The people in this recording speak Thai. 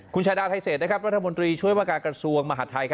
คุณชาดาไทยเศสวัฒนบนตรีช่วยวางาจกระทรวงมหาธัย